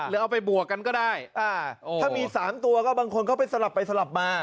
เอาไปบวกกันก็ได้ถ้ามี๓ตัวก็บางคนเขาไปสลับไปสลับมา